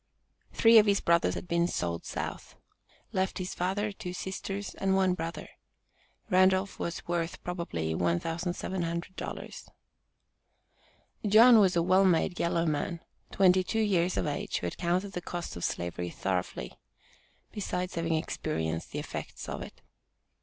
Three of his brothers had been sold South. Left his father, two sisters and one brother. Randolph was worth probably $1,700. John was a well made yellow man, twenty two years of age, who had counted the cost of slavery thoroughly, besides having experienced the effects of it.